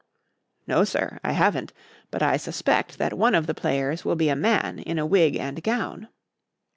"No, sir, I haven't; but I suspect that one of the players will be a man in a wig and gown."